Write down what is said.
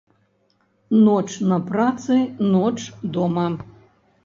Ноч на працы, ноч дома.